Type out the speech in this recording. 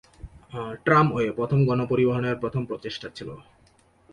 Tramway প্রথম গণ পরিবহনের প্রথম প্রচেষ্টা ছিল।